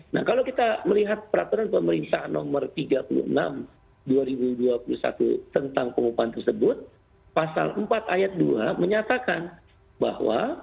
nah kalau kita melihat peraturan pemerintah nomor tiga puluh enam dua ribu dua puluh satu tentang pengupahan tersebut pasal empat ayat dua menyatakan bahwa